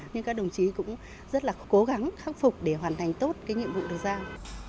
nhưng các đồng chí cũng rất là cố gắng khắc phục để hoàn thành tốt cái nhiệm vụ được giao